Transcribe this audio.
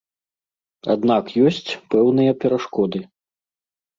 Аднак ёсць пэўныя перашкоды.